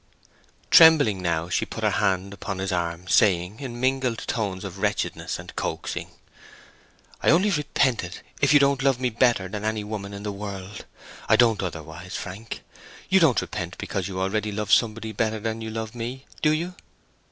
Trembling now, she put her hand upon his arm, saying, in mingled tones of wretchedness and coaxing, "I only repent it if you don't love me better than any woman in the world! I don't otherwise, Frank. You don't repent because you already love somebody better than you love me, do you?"